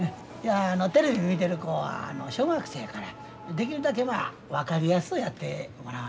テレビ見てる子は小学生やからできるだけ分かりやすうやってもらわんとな。